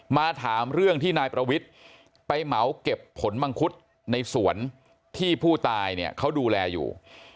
มาถามเรื่องที่นายประวิทย์ไปเหมาเก็บผลมังคุดในสวนที่ผู้ตายเนี่ยเขาดูแลอยู่